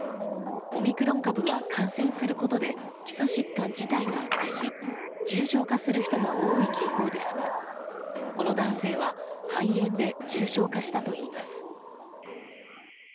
オミクロン株は感染することで基礎疾患自体が悪化し、重症化する人が多い傾向ですが、この男性は、肺炎で重症化したといいます。